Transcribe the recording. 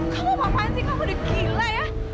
kamu ngapain sih kamu udah gila ya